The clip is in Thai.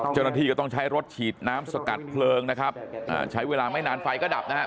เจ้าหน้าที่ก็ต้องใช้รถฉีดน้ำสกัดเพลิงนะครับอ่าใช้เวลาไม่นานไฟก็ดับนะครับ